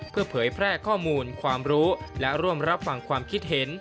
เพื่อเผยแพร่ข้อมูลความรู้และร่วมรับฟังความคิดเห็น